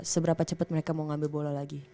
seberapa cepat mereka mau ngambil bola lagi